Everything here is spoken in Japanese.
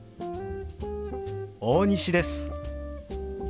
大西です。